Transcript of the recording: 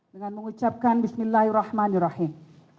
dengan mengucapkan bismillahirrahmanirrahim